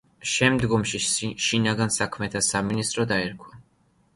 შემდგომში შინაგან საქმეთა სამინისტრო დაერქვა.